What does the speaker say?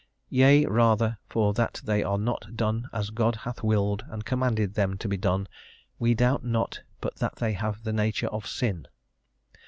yea, rather, for that they are not done as God hath willed and commanded them to be done, we doubt not but that they have the nature of sin."